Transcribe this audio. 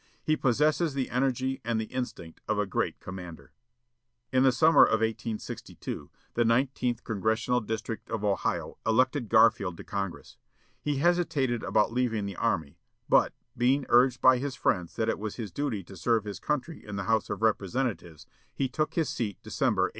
He possesses the energy and the instinct of a great commander." In the summer of 1862 the Nineteenth Congressional District of Ohio elected Garfield to Congress. He hesitated about leaving the army, but, being urged by his friends that it was his duty to serve his country in the House of Representatives, he took his seat December, 1863.